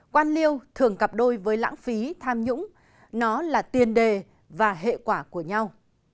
quan liêu thường cặp đôi với lãng phí tham nhũng nó là tiền đề và hệ quả của nhau